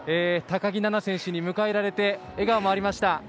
高木菜那選手に迎えられて笑顔がありました。